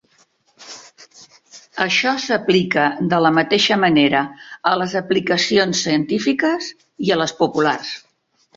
Això s'aplica de la mateixa manera a les aplicacions científiques i a les populars.